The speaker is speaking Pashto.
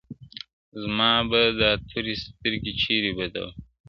زه به دا توري سترګي چیري بدلومه-